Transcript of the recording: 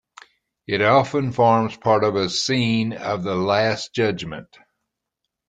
It often forms part of a scene of the Last Judgement.